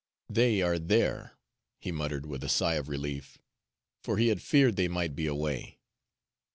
"They are there," he muttered with a sigh of relief, for he had feared they might be away.